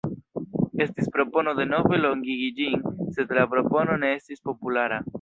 Estis propono denove longigi ĝin, sed la propono ne estis populara.